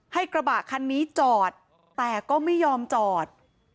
กระบะคันนี้จอดแต่ก็ไม่ยอมจอด